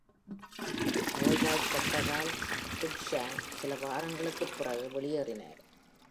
நோய்வாய்ப்பட்டதால், Cruikshank சில வாரங்களுக்குப் பிறகு வெளியேறினார்.